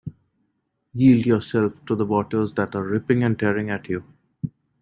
Yield yourself to the waters that are ripping and tearing at you.